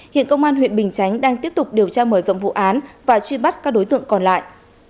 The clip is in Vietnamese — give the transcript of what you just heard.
hiện công an huyện bình chánh đang tiếp tục điều tra mở rộng vụ án và truy bắt các đối tượng còn lại